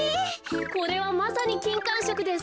これはまさにきんかんしょくです。